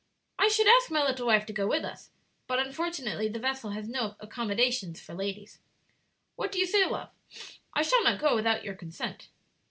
I should ask my little wife to go with us, but, unfortunately, the vessel has no accommodations for ladies. What do you say, love? I shall not go without your consent."